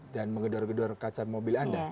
dan menggedor gedor kacar mobil anda